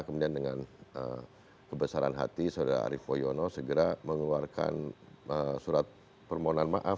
kemudian dengan kebesaran hati saudara arief poyono segera mengeluarkan surat permohonan maaf